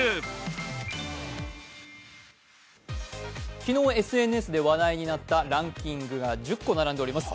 昨日、ＳＮＳで話題になったランキングが１０個並んでおります。